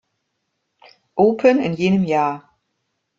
Open in jenem Jahr.